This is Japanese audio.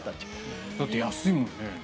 だって安いもんね。